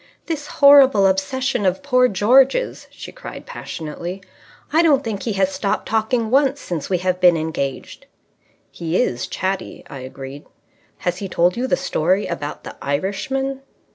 "This horrible obsession of poor George's," she cried passionately. "I don't think he has stopped talking once since we have been engaged." "He is chatty," I agreed. "Has he told you the story about the Irishman?"